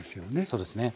そうですね。